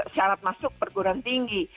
syarat masuk perguruan tinggi